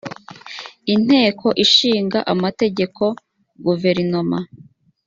inteko ishinga amategeko guverinoma